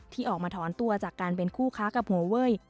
ที่ออกมาถอนตัวจากการเป็นคู่ค้ากับหัวเว้ย